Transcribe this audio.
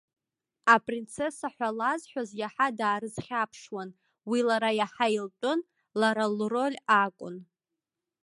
Апринцесса ҳәа лазҳәоз иаҳа даарызхьаԥшуан, уи лара иаҳа илтәын, лара лроль акәын.